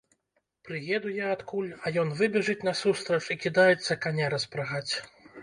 Прыеду я адкуль, а ён выбежыць насустрач і кідаецца каня распрагаць.